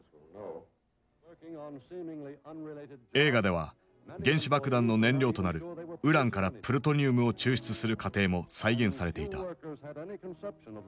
映画では原子爆弾の燃料となるウランからプルトニウムを抽出する過程も再現されていた。